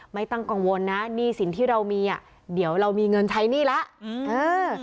ไม่ต้องกังวลนะหนี้สินที่เรามีอ่ะเดี๋ยวเรามีเงินใช้หนี้แล้ว